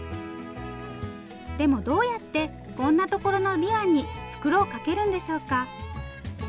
でもどうやってこんな所のびわに袋をかけるんでしょうか？